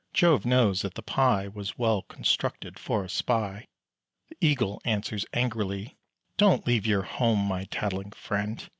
Jove knows that the Pie Was well constructed for a spy. The eagle answers, angrily, "Don't leave your home, my tattling friend.